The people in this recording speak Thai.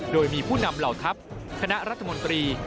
โดยมีผู้นำเหล่าทัพคณะรัฐมนตรี